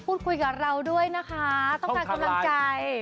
พูดคุยกับเราด้วยนะคะต้องการกำลังใจ